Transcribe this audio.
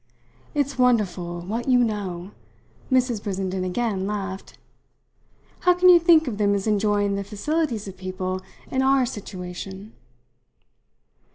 "It's wonderful what you know!" Mrs. Brissenden again laughed. "How can you think of them as enjoying the facilities of people in our situation?"